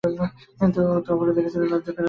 ওর তো অপরাধ নেই, লজ্জা করবার নেই কিছু।